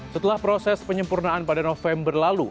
setelah proses penyempurnaan pada november lalu